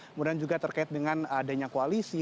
kemudian juga terkait dengan adanya koalisi